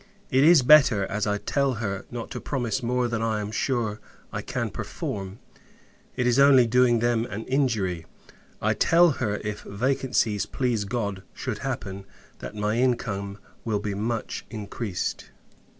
It is better, as I tell her, not to promise more than I am sure I can perform. It is only doing them a injury. I tell her, if vacancies, please God, should happen, that my income will be much increased.